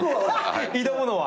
挑むのは？